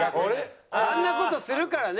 あんな事するからね。